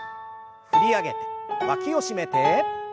振り上げてわきを締めて。